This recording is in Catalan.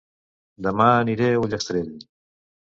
Dema aniré a Ullastrell